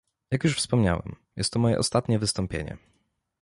Jak już wspomniałem, jest to moje ostatnie wystąpienie